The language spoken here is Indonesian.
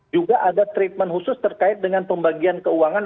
juga ada treatment khusus terkait dengan pembagian keuangan